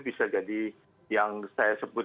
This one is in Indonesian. bisa jadi yang saya sebut